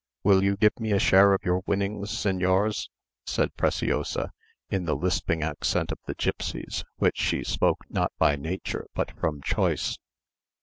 "Will you give me a share of your winnings, señors?" said Preciosa, in the lisping accent of the gipsies, which she spoke not by nature but from choice.